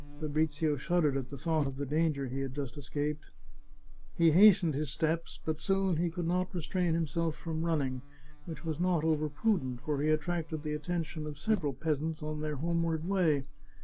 Fabrizio shuddered at the thought of the danger he had just escaped. He hastened his steps, but soon he could not restrain himself from running, which was not over prudent, for he attracted the attention of several peasants on their homeward way.